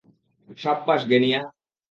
সাব্বাশ, Guinea!